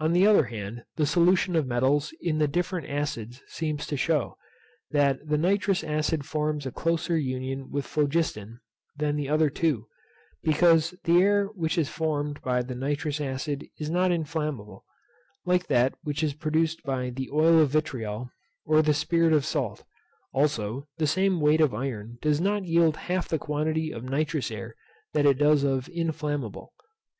On the other hand, the solution of metals in the different acids seems to shew, that the nitrous acid forms a closer union with phlogiston than the other two; because the air which is formed by the nitrous acid is not inflammable, like that which is produced by the oil of vitriol, or the spirit of salt. Also, the same weight of iron does not yield half the quantity of nitrous air that it does of inflammable.